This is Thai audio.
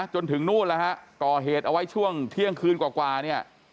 จนถึงนู่นแล้วฮะก่อเหตุเอาไว้ช่วงเที่ยงคืนกว่าเนี่ย